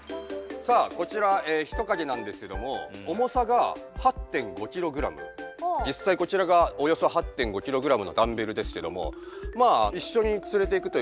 さあこちらヒトカゲなんですけども実際こちらがおよそ８．５キログラムのダンベルですけどもまあ一緒に連れていくということなんで。